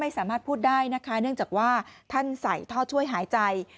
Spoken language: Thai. สามารถพูดได้นะคะเนื่องจากว่าท่านใส่ท่อช่วยหายใจ